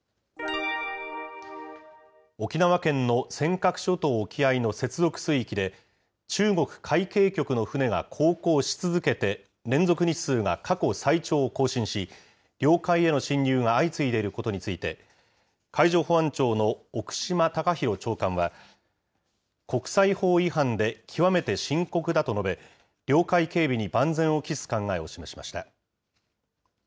沖縄県の尖閣諸島沖合の接続水域で、中国海警局の船が航行し続けて連続日数が過去最長を更新し、領海への侵入が相次いでいることについて、海上保安庁の奥島高弘長官は、国際法違反で極めて深刻だと述べ、領海警備に万全を期す考えを示しました。